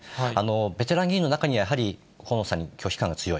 ベテラン議員の中には河野さんに拒否感が強い。